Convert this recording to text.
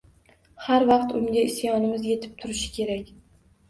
Har vaqt unga isyonimiz yetib turishi kerak…